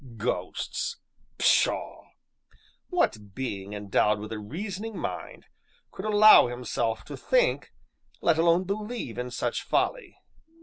Ghosts! pshaw! What being, endowed with a reasoning mind, could allow himself to think, let alone believe in such folly?